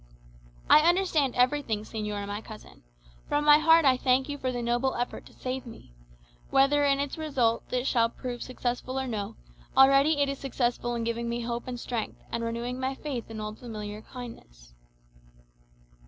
"I understand everything, señora my cousin. From my heart I thank you for the noble effort to save me. Whether in its result it shall prove successful or no, already it is successful in giving me hope and strength, and renewing my faith in old familiar kindness."